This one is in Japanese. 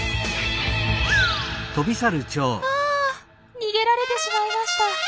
あ逃げられてしまいました。